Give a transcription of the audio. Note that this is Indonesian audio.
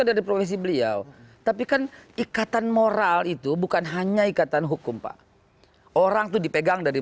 dari profesi beliau tapi kan ikatan moral itu bukan hanya ikatan hukum pak orang itu dipegang dari